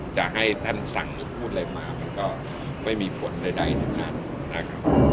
จะให้ท่านสั่งหรือพูดอะไรมามันก็ไม่มีผลใดทั้งนั้นนะครับ